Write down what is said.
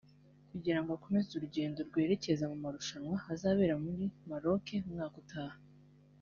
kugira ngo akomeze urugendo rwerekeza mu marushanwa azabera muri Maroke umwaka utaha